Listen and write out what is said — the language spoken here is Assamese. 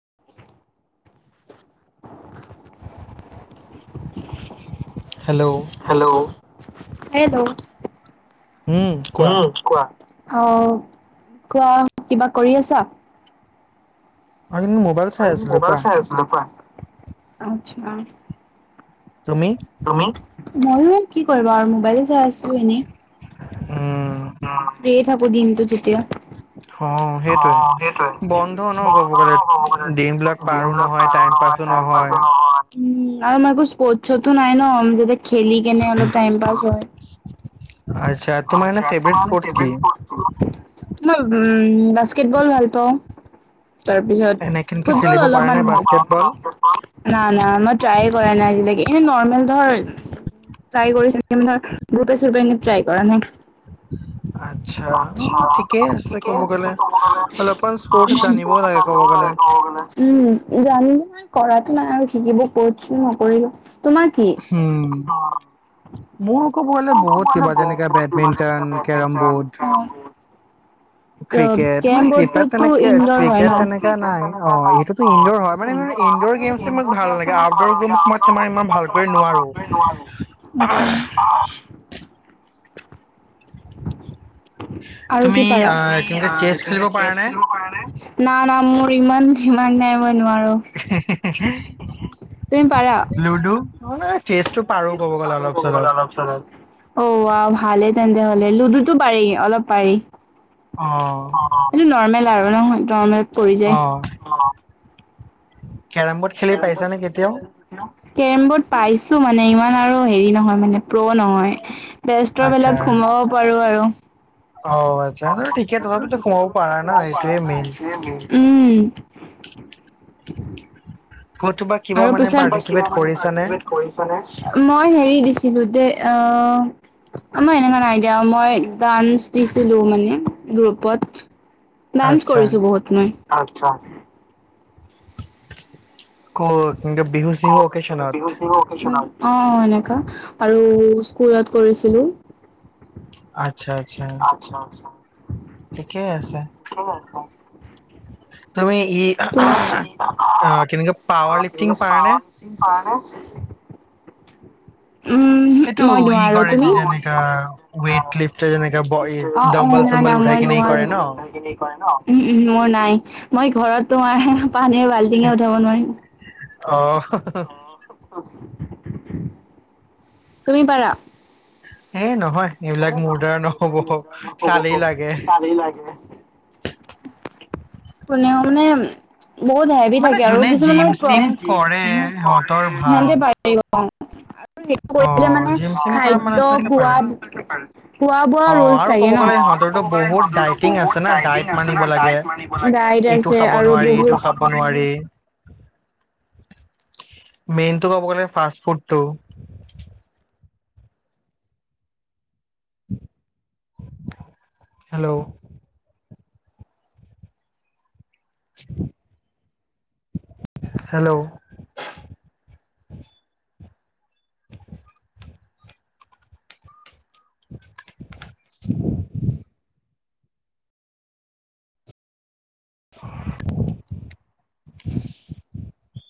[inaudible] [inaudible] হেল্ল' হেল্ল' উম কোৱা উম, কোৱা। অ', কোৱা কিবা কৰি আছা? মই কিন্তু মোবাইল চাই আছিলো মবাইল কোৱা চাই আছিলোঁ কোৱা। তুমি? তুমি, ময়ো এ কি কৰিবা আৰু মোবাইলে চাই আছো এনে। উম, [unintelligible] দিনটো যেতিয়া। অ সেইটোৱে অ', সেইটোৱে বন্ধ ন ক'ব বন্ধ গ'লে ন হব গলে দিনবিলাক পাৰো দিনবিলাগ পাৰো টাইম নহয়। পাছো আৰু আমাৰ একো স্পৰ্টচ টো নাই ন খেলি কেনে অলপ টাইম পাছ হয়। আচ্ছা তোমাৰ এনে আচ্ছা ফেভৰেট তোমাৰ স্পৰ্টছ কি? ফাভৌৰিত স্পৰ্টছ টো [unintelligible] উম, বাস্কেটবল ভাল পাওঁ। তাৰপিছত এনে কেনেকে ফুটবল খেলিব পাৰা অলপমান নে বাস্কেটবল ভাল না না মই ট্ৰাই কৰা নাই আজিলৈকে। এ নৰ্মেল ধৰ ট্ৰাই কৰি [unintelligible] গ্ৰুপে শ্ৰুপে ট্ৰাই কৰা নাই আচ্ছা অ আচ্ছা ঠিকেই ঠিকে ক'ব গ'লে আছে তাহলে অলপমান স্পৰ্টছ উম, যানাই জানিবও লাগে ক'ব গ'লে নহয় ক'ব গ'লে? উম, যানো নহয় কৰাতো নাই আৰু শিকিব কছো নকৰিলো তোমাৰ কি? উম, মোৰ ক'ব গলে বহুত কিবা যেনেকে বেডমিণ্টন কেৰম বোৰ্ড [inaudible] ত' কেৰম বৰ্ডোতটো তেনেকে ইন্দৰ হয় ক্ৰিকেট ন? তেনেকা নাই অ এইটোতো ইনডৰ হয় মানে ইনডৰ গেমছে মোক ভাল লাগে আউটডৰ গেমছ মই তোমাৰ ইমান ভালকৈ নোৱাৰো [unintelligible] [inaudible] আচ্ছা আৰু কি তুমি পাৰা অ [inaudible] কেনেকে চেছ খেলিব পাৰা নে না - না মোৰ ইমান যিমান নাই মই নোৱাৰো তুমি পাৰা? লুডু চেচটো পাৰো ক'ব গ'লে অলপ চলপ। অ', আ, ভালে তেন্তে হ'লে লুডুটো পাৰি অলপ পাৰি। অ অ এইটো নৰ্মেল আৰু নহয় নৰ্মেল পৰি যায়। কেৰম বৰ্ড [inaudible] খেলি কেৰম পাইছা নে কেতিয়াও বৰ্ড পাইছো মানে ইমান আৰু হেৰি নহয় মানে প্ৰ নহয় আচ্ছা বস্তৰবলাক সোমাব পাৰো আৰু। অ আচ্ছা ঠিকে তথাপিতো সোমাব পাৰা ন সেইটোয়ে মেইন উম। ক'তো বা কিবা মই মানে পাৰ্টিচিপেট কৰিছা নে হেৰি দিছিলো দে আ আমাৰ এনেুৱা নাই দিয়া মই ডান্স দিছিলো মানে গ্ৰুপত। ডান্স আচ্ছা কৰিছো বহুত মই। কত? অ' কিন্তু বিহু চিহু অকেছু নয়। অ' এনেকা আৰু স্কুলত কৰিছিলো। আচ্ছা আচ্ছা আত্ছা আচ্ছা। ঠিকেই আছে তুমি ই কেনেকৈ পাৱাৰ লিফটিং কৰা নে? উম, উম, এইটো মই ই নোৱাৰো কৰে তুমি যে অ' যেনেকা ৱেইট লিফ্ট যেনেকা অ', ডম্বল না - চম্বল না উঠাই মই কিনে ই নোৱাৰো, কৰে ন উম, উম, মোৰ নাই মই ঘৰত তোমাৰ পানীৰ বাল্টিঙে উঠাব নোৱাৰিম। অ' তুমি পাৰা? এ নহয় এইবিলাক হয় মোৰ নহয় দ্বাৰা নহ'ব সবিলাক মজা নহব হ চালেই লাগে কালি লাগে কোনেও মানে বহুত হেভি মানে থাকে আৰু যোনে কিছুমানৰ, জিম চিম কৰে সিহঁতৰ ভাল সিহতে পাৰ। আৰু সেইটো কৰিলে অ' মানে জিম চিম কৰা খাদ্য় মানুহবিলাকে পাৰে খোৱ বোৱা অ' ৰল আৰু চাগে ক'ব ন গ'লে সিহঁতৰতো বহুত স ডাইটিং আছে বুত না ডাইট মানিব লাগে আছে। ৰাইড এইটো আছে খাব আৰু নোৱাৰি এইটো খাব বহুত নোৱাৰি [inaudible] মেইনটো ক'ব গ'লে ফাষ্ট ফুডটো। Hello [inaudible] hello [inaudible] [inaudible]